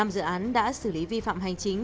năm dự án đã xử lý vi phạm hành chính